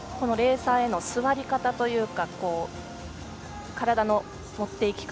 レーサーへの座り方というか体の持っていき方